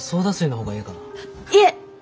いえ！